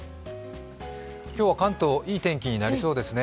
今日は関東、いい天気になりそうですね。